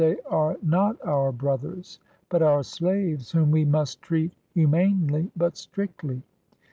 They are not our brothers, but our slaves, whom we must treat hu manely but strictly.